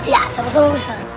ya sama sama ustaz